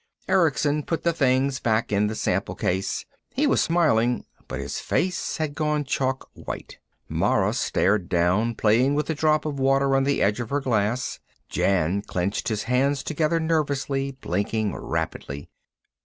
Erickson put the things back in the sample case. He was smiling, but his face had gone chalk white. Mara stared down, playing with a drop of water on the edge of her glass. Jan clenched his hands together nervously, blinking rapidly.